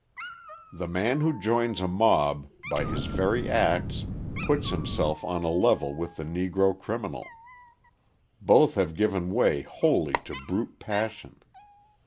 The man who joins a mob, by his very acts, puts himself on a level with the Negro criminal: both have given way wholly to brute passion.